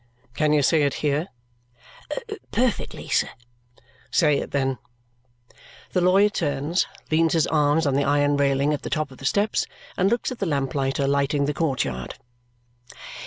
"Can you say it here?" "Perfectly, sir." "Say it then." The lawyer turns, leans his arms on the iron railing at the top of the steps, and looks at the lamplighter lighting the court yard.